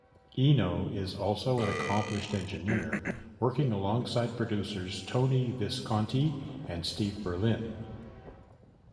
Eno is also an accomplished engineer, working alongside producers Tony Visconti and Steve Berlin.